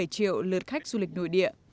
năm mươi bảy triệu lượt khách du lịch nổi định